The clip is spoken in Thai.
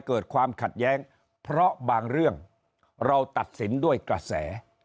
เกิดความขัดแย้งเพราะบางเรื่องเราตัดสินด้วยกระแส